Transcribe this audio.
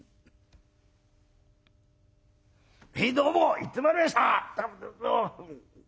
「へいどうも行ってまいりました。